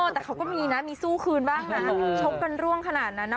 แต่เขาก็มีนะมีสู้คืนบ้างนะชกกันร่วงขนาดนั้นนะ